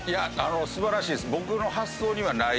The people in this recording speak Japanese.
素晴らしいです。